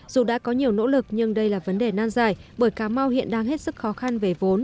dù đã có nhiều nỗ lực nhưng đây là vấn đề nan dài bởi cà mau hiện đang hết sức khó khăn về vốn